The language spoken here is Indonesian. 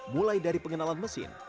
mulai dari pengenalan mesin